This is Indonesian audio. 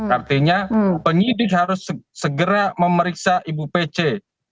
artinya penyidik harus segera memeriksa ibu pece